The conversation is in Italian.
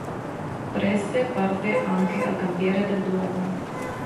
Prese parte anche al cantiere del Duomo.